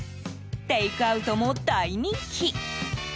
テイクアウトも大人気。